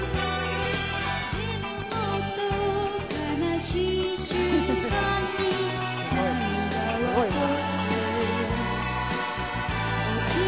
すごい。